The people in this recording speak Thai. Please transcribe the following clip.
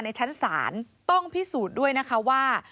ชั้นศาลต้องพิสูจน์ด้วยนะคะว่า